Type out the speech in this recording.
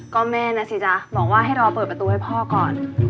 ก็แม่นะสิจ๊ะบอกว่าให้รอเปิดประตูให้พ่อก่อน